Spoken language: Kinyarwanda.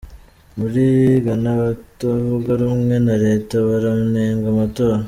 Muri gana Abatavuga rumwe na leta baranenga amatora